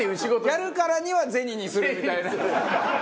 やるからには銭にするみたいな。